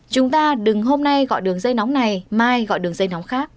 chúng ta đừng hôm nay gọi đường dây nóng này mai gọi đường dây nóng khác